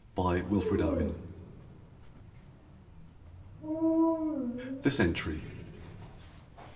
58 WILFRED OWEN. THE SENTRY.